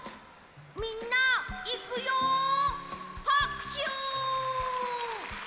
みんないくよ！はくしゅ！